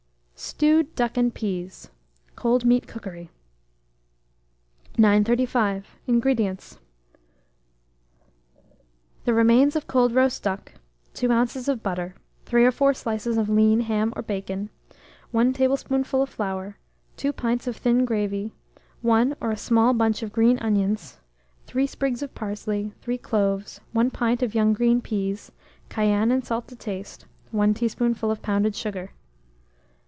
STEWED DUCK AND PEAS (Cold Meat Cookery). 935. INGREDIENTS. The remains of cold roast duck, 2 oz. of butter, 3 or 4 slices of lean ham or bacon, 1 tablespoonful of flour, 2 pints of thin gravy, 1, or a small bunch of green onions, 3 sprigs of parsley, 3 cloves, 1 pint of young green peas, cayenne and salt to taste, 1 teaspoonful of pounded sugar.